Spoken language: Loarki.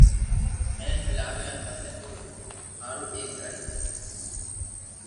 مھل ۾ لاوين پسي او ھارو ايڪ گھر